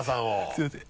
すみません。